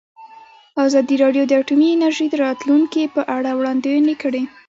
ازادي راډیو د اټومي انرژي د راتلونکې په اړه وړاندوینې کړې.